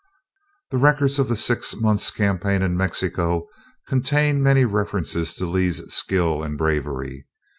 The records of the six months' campaign in Mexico contain many references to Lee's skill and bravery.